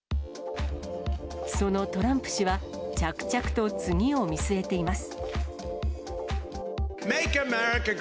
そのトランプ氏は、着々と次を見据えています。